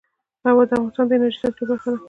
هوا د افغانستان د انرژۍ سکتور برخه ده.